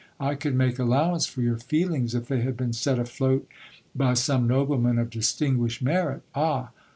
I could make allow ance for your feelings, if they had been set afloat by some nobleman of distin guished merit Ah